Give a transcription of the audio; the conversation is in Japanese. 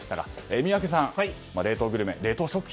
宮家さん冷凍グルメ、冷凍食品